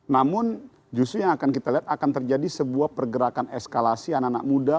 namun justru yang akan kita lihat akan terjadi sebuah pergerakan eskalasi anak anak muda